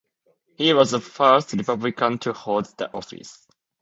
He was the first Republican to hold the office.